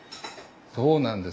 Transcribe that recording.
そうなんです。